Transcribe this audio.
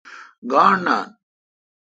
گاݨڈ نان۔